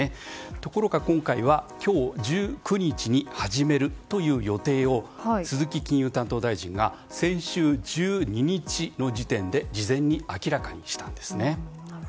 ところが今回は、今日１９日に始めるという予定を鈴木金融担当大臣が先週１２日の時点で事前に明らかにしたんですね。